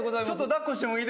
抱っこしてもらい。